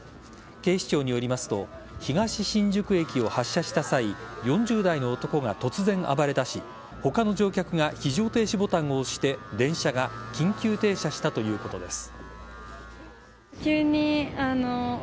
警視庁によりますと東新宿駅を発車した際４０代の男が突然暴れだし他の乗客が非常停止ボタンを押して電車が緊急停車したということです。